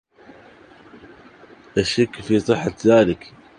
أشكّ في صحة ذلك.